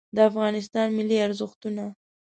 د افغانستان ملي ارزښتونه